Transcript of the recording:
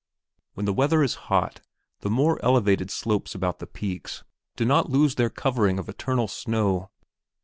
When the weather is hot, the more elevated slopes about the peaks do not lose their covering of eternal snow.